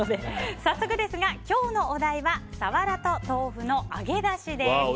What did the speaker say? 早速ですが、今日のお題はサワラと豆腐の揚げだしです。